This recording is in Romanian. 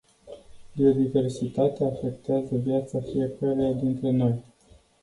Biodiversitatea afectează viața fiecăruia dintre noi.